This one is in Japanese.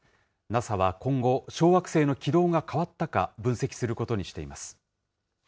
ＮＡＳＡは今後、小惑星の軌道が変わったか、分析することにしています。